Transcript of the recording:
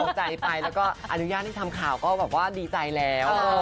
แค่เอาใจไปแล้วก็อนุญาตที่ทำข่าวก็ดีใจแล้ว